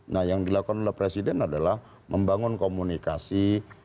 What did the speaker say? nah yang dilakukan oleh presiden adalah membangun komunikasi